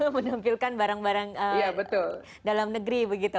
menampilkan barang barang dalam negeri begitu